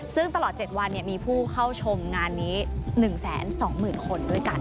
ซึ่งตลอด๗วันมีผู้เข้าชมงานนี้๑๒๐๐๐คนด้วยกัน